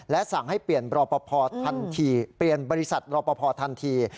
และสั่งให้เปลี่ยนบริษัทรอปภทันที